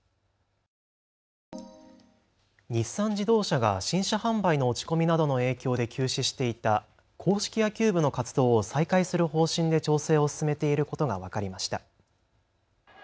日産自動車が新車販売の落ち込みなどの影響で休止していた硬式野球部の活動を再開する方針で調整を進めていることが分かりました。